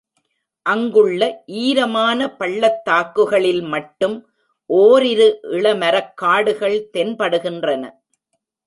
அங்குள்ள ஈரமான பள்ளத்தாக்குகளில் மட்டும் ஓரிரு இளமரக்காடுகள் தென்படுகின்றன.